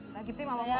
mbak gipte mau apa